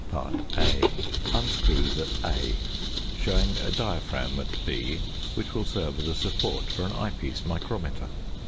44_a_, A) unscrews at a, showing a diaphragm at b, which will serve as a support for an eye piece micrometer.